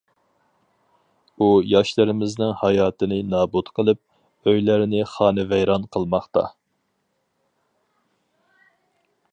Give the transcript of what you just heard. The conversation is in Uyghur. ئۇ ياشلىرىمىزنىڭ ھاياتىنى نابۇت قىلىپ، ئۆيلەرنى خانىۋەيران قىلماقتا.